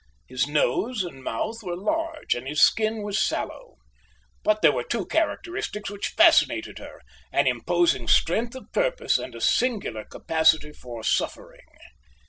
His nose and mouth were large, and his skin was sallow. But there were two characteristics which fascinated her, an imposing strength of purpose and a singular capacity for suffering.